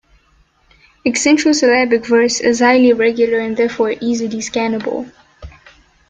Accentual-syllabic verse is highly regular and therefore easily scannable.